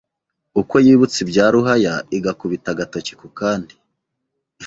Uko yibutse ibya Ruhaya, igakubita agatoki ku kandi